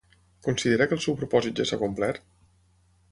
Considera que el seu propòsit ja s'ha complert?